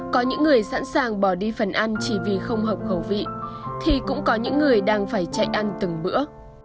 có những người sẵn sàng bỏ đi phần ăn chỉ vì không hợp khẩu vị thì cũng có những người đang phải chạy ăn từng bữa